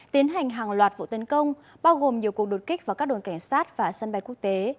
tiến hành hàng loạt vụ tấn công bao gồm nhiều cuộc đột kích vào các đồn cảnh sát và sân bay quốc tế